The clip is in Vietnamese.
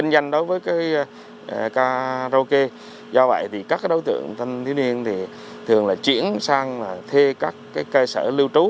do vậy các đối tượng thanh niên thường chuyển sang thê các cơ sở lưu trú